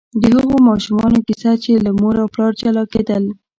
د هغو ماشومانو کیسه چې له مور او پلار جلا کېدل.